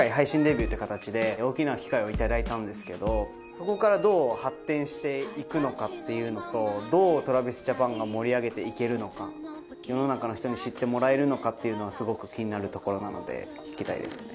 そこからどう発展していくのかっていうのとどうＴｒａｖｉｓＪａｐａｎが盛り上げていけるのか世の中の人に知ってもらえるのかっていうのはすごく気になるところなので聞きたいですね。